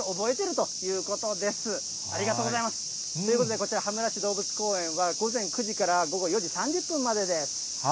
ということでこちら、羽村市動物公園は午前９時から午後４時３０分までです。